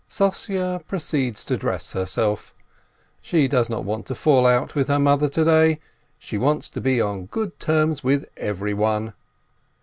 Sossye proceeds to dress herself. She does not want to fall out with her mother to day, she wants to be on good terms with everyone.